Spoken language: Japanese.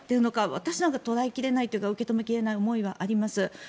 私なんかには捉え切れないというか受け止められない思いはあります。